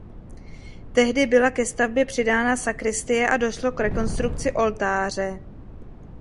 Tehdy byla ke stavbě přidána sakristie a došlo k rekonstrukci oltáře.